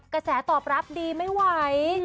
กระแสตอบรับดีไม่ไหว